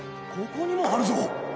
ここにもあるぞ！